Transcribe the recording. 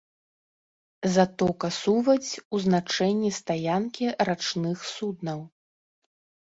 Затока-сувадзь, у значэнні стаянкі рачных суднаў.